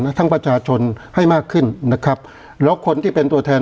ทั้งประชาชนให้มากขึ้นนะครับแล้วคนที่เป็นตัวแทน